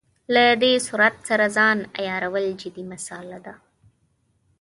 له دې سرعت سره ځان عیارول جدي مساله ده.